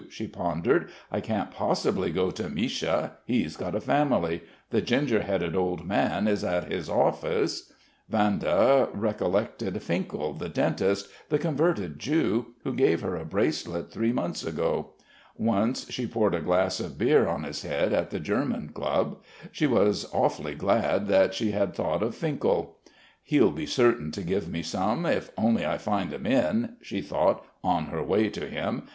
she pondered. "I can't possibly go to Misha ... he's got a family.... The ginger headed old man is at his office...." Vanda recollected Finkel, the dentist, the converted Jew, who gave her a bracelet three months ago. Once she poured a glass of beer on his head at the German dub. She was awfully glad that she had thought of Finkel. "He'll be certain to give me some, if only I find him in..." she thought, on her way to him.